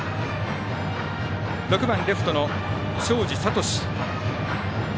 ６番レフトの東海林智。